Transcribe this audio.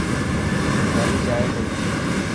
گاڏي جائي پئي.